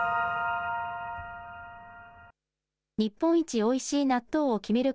日本一おいしい納豆を決める